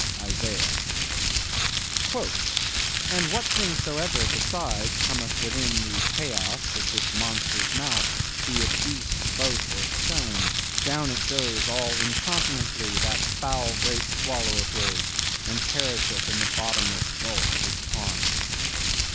—Isaiah. "And what thing soever besides cometh within the chaos of this monster's mouth, be it beast, boat, or stone, down it goes all incontinently that foul great swallow of his, and perisheth in the bottomless gulf of his paunch."